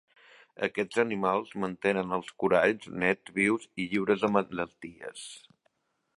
Aquests animals mantenen els coralls nets, vius i lliures de malalties.